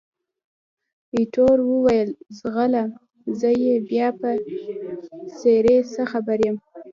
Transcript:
ایټور وویل، ځغله! زه یې بیا په څېرې څه خبر یم؟